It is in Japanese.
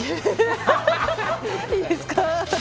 いいですか？